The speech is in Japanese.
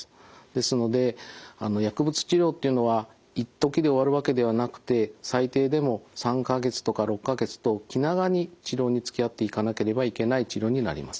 ですので薬物治療っていうのはいっときで終わるわけではなくて最低でも３か月とか６か月と気長に治療につきあっていかなければいけない治療になります。